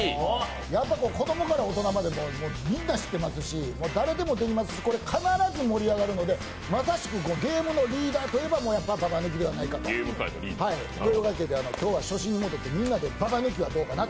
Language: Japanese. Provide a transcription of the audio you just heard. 子供から大人までみんな知ってますし誰でもできますし、必ず盛り上がるのでまさしくゲームのリーダーといえばババ抜きではないかと。というわけで今日は初心に戻ってみんなでババ抜きはどうかと。